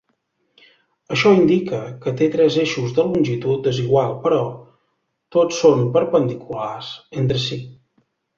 Això indica que té tres eixos de longitud desigual però, tots són perpendiculars entre si.